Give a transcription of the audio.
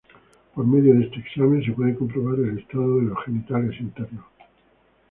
Por medio de este examen se puede comprobar el estado de los genitales internos.